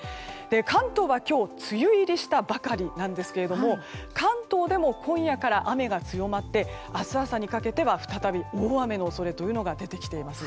関東は今日梅雨入りしたばかりなんですが関東でも今夜から雨が強まって明日朝にかけては再び大雨の恐れというのが出てきています。